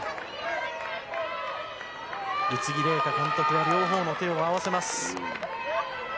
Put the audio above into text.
宇津木麗華監督は両方の手を合わせます。